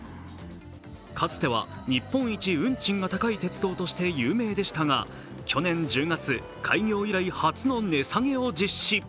かつては日本一運賃が高い鉄道として有名でしたが去年１０月開業以来初の値下げを実施。